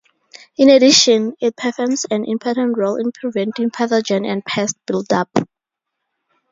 In addition, it performs an important role in preventing pathogen and pest build-up.